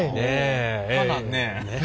かなんね。